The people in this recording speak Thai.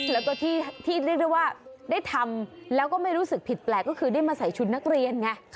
แล้วก็ที่ได้ทำแล้วก็ไม่รู้สึกผิดแปลกก็คือได้มาใส่ชุดนักเรียน